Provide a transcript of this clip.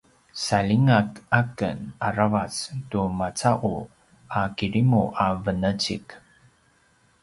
saljinga aken aravac tu maca’u a kirimu a venecik